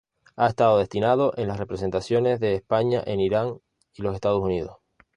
Ha estado destinado en las representaciones de España en Irán y los Estados Unidos.